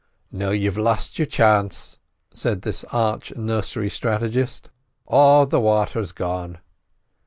"Now you've lost your chance," said this arch nursery strategist, "all the water's gone."